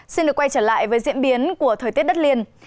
xin được quay trở lại với diễn biến của thời tiết đất liền